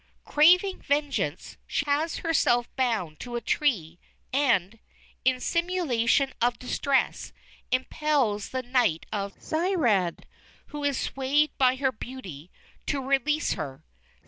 Craving vengeance, she has herself bound to a tree, and, in simulation of distress, impels the knight Ctirad, who is swayed by her beauty, to release her.